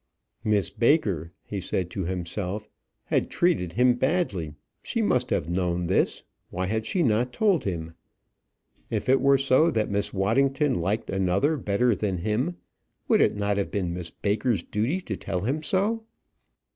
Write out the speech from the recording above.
"Miss Baker," he said to himself, "had treated him badly; she must have known this; why had she not told him? If it were so that Miss Waddington liked another better than him, would it not have been Miss Baker's duty to tell him so?